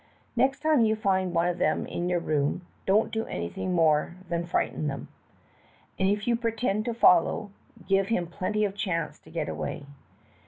Next time you find one of them in your room don't do anything more than frighten him, and if you pretend to follow, give him plenty of chance to get away.